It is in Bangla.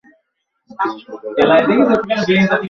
এটি রচিত হত মূলত কৃষ্ণা ও রাধার কাহিনীকে ঘিরে।